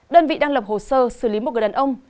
đơn vị đang lập hồ sơ xử lý một người đàn ông